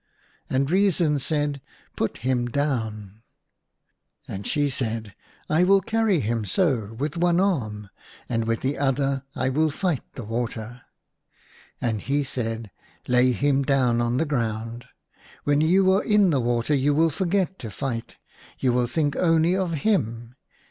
And Reason said, " Put him down !" And she said, " I will carry him so — with one arm, and with the other I will fight the water." He said, " Lay him down on the ground. When you are in the water you will forget to fight, you will think only of him.